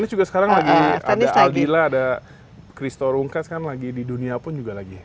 ini juga sekarang lagi ada aldila ada christo rungkas kan lagi di dunia pun juga lagi